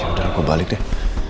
ya udah aku balik deh